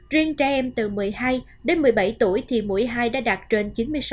riêng trẻ em từ một mươi hai đến một mươi bảy tuổi thì mũi hai đã đạt trên chín mươi sáu